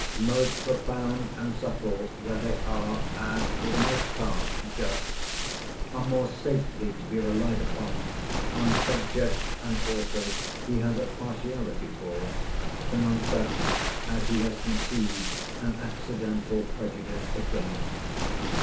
(most profound and subtle where they are, as for the most part, just) are more safely to be relied upon, on subjects and authors he has a partiality for, than on such as he has conceived an accidental prejudice against.